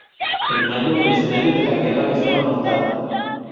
En mayo, el escenario de la guerra estaba montado.